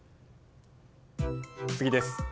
次です。